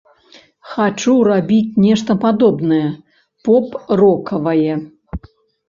Хачу рабіць нешта падобнае, поп-рокавае.